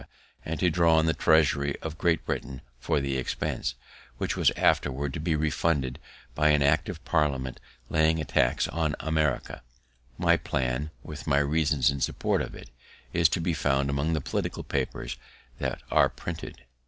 and to draw on the treasury of Great Britain for the expense, which was afterwards to be refunded by an act of Parliament laying a tax on America. My plan, with my reasons in support of it, is to be found among my political papers that are printed.